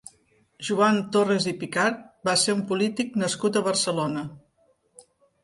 Joan Torres i Picart va ser un polític nascut a Barcelona.